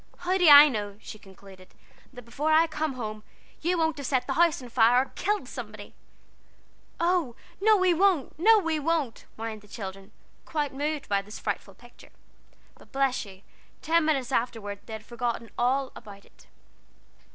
"How do I know," she concluded, "that before I come home you won't have set the house on fire, or killed somebody?" "Oh, no we won't! no we won't!" whined the children, quite moved by this frightful picture. But bless you ten minutes afterward they had forgotten all about it.